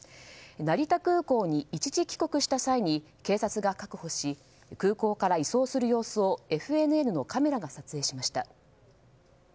成田空港に一時帰国した際に警察が確保し空港から移送する様子をＦＮＮのカメラが撮影しました。